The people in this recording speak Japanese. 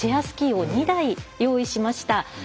スキーを２台用意しました。